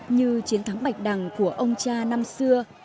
như chiến thắng bạch đằng của ông cha năm xưa